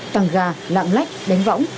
tăng gà lạng lách đánh giá